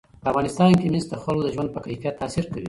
په افغانستان کې مس د خلکو د ژوند په کیفیت تاثیر کوي.